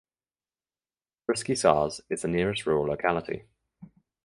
Russky Sars is the nearest rural locality.